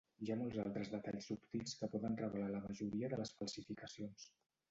Hi ha molts altres detalls subtils que poden revelar la majoria de les falsificacions.